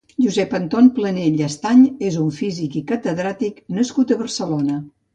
Josep Anton Planell Estany és un físic i catedràtic nascut a Barcelona.